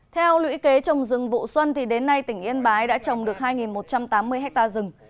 theo lũy kế trồng rừng vụ xuân đến nay tỉnh yên bái đã trồng được hai một trăm tám mươi hectare rừng